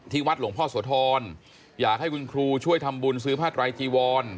วัดหลวงพ่อโสธรอยากให้คุณครูช่วยทำบุญซื้อผ้าไตรจีวร